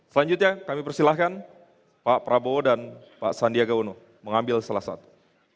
selanjutnya kami persilahkan pak prabowo dan pak sandiaga uno mengambil salah satu